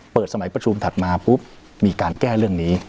สมัยประชุมถัดมาปุ๊บมีการแก้เรื่องนี้